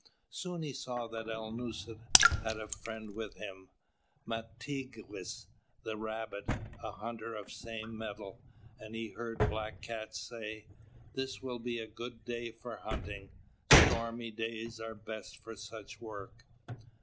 Soon he saw that Alnūset had a friend with him, "Mātigwess," the Rabbit, a hunter of the same metal; and he heard Black Cat say: "This will be a good day for hunting. Stormy days are best for such work."